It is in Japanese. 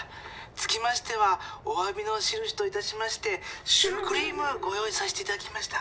つきましてはおわびのしるしといたしましてシュークリームご用いさせていただきました。